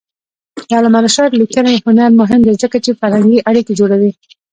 د علامه رشاد لیکنی هنر مهم دی ځکه چې فرهنګي اړیکې جوړوي.